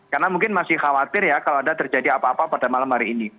karena mungkin masih khawatir ya kalau ada terjadi apa apa pada malam hari ini